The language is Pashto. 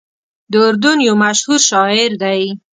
د اردن یو مشهور شاعر دی.